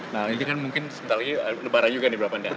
nah ini kan mungkin sebentar lagi lebaran juga nih berapa nih